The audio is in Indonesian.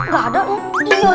kita lagi cari orang orang